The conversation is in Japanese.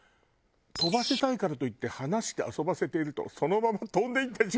「飛ばせたいからといって放して遊ばせているとそのまま飛んで行ってしまう可能性があるので」